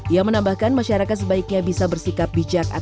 ia menambahkan masyarakat sebaiknya bisa bersikap bijak